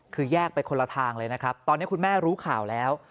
คือแยกไปคนละทางเลยนะครับตอนนี้คุณแม่รู้ข่าวแล้ว